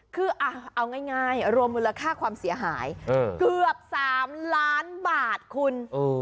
คือเอาง่ายรวมมูลค่าความเสียหายเกือบ๓ล้านบาทคุณ